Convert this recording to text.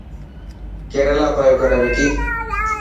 ڪيريلا پيو ڪري وڪي.